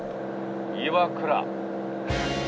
岩倉。